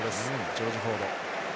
ジョージ・フォード。